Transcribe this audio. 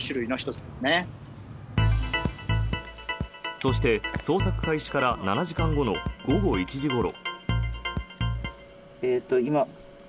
そして、捜索開始から７時間後の午後１時ごろ。